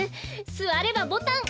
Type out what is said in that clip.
すわればボタン。